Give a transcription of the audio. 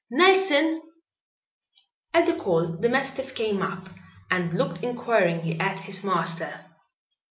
Nelson!" At the call the mastiff came up and looked inquiringly at his master.